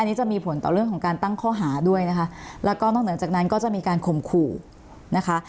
อันนี้จะมีผลต่อเรื่องของการตั้งข้อหาด้วยนะคะแล้วก็นอกเหนือจากนั้นก็จะมีการข่มขู่นะคะ